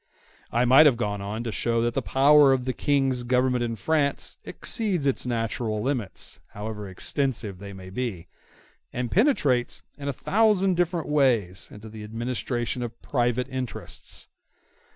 I might have gone on to show that the power of the King's government in France exceeds its natural limits, however extensive they may be, and penetrates in a thousand different ways into the administration of private interests.